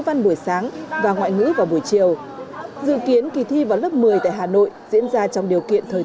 văn buổi sáng và ngoại ngữ vào buổi chiều dự kiến kỳ thi vào lớp một mươi tại hà nội diễn ra trong điều kiện thời